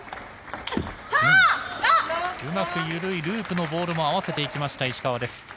うまく緩いループのボールも合わせていきました、石川。